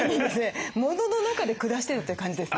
モノの中で暮らしてたって感じですね。